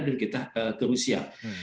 dan kita ke rusia